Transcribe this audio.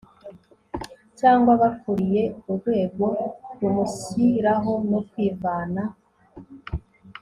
cyangwa abakuriye urwego rumushyiraho no kwivana